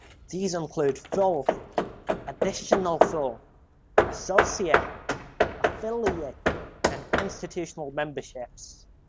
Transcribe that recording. These include full, additional full, associate, affiliate and institutional memberships.